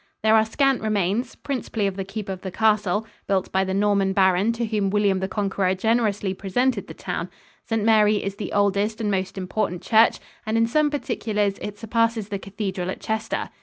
There are scant remains, principally of the keep of the castle, built by the Norman baron to whom William the Conqueror generously presented the town. St. Mary is the oldest and most important church, and in some particulars it surpasses the cathedral at Chester.